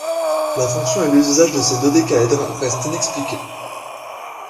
La fonction et l'usage de ces dodécaèdres restent inexpliqués.